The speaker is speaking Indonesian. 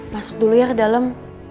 masuk dulu ya ke dalam